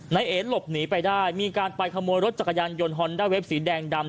นายเอ๋หลบหนีไปได้มีการไปขโมยรถจักรยานยนต์ฮอนด้าเวฟสีแดงดำ